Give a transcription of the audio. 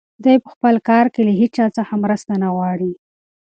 دی په خپل کار کې له هیچا څخه مرسته نه غواړي.